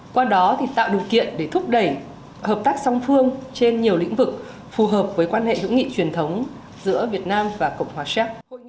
qua đó thì tạo đủ kiện để thúc đẩy hợp tác song phương trên nhiều lĩnh vực phù hợp với quan hệ hữu nghị truyền thống giữa việt nam và cộng hòa séc